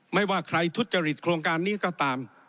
ไม่ว่าใครทุจริตโครงการนี้ก็ตาม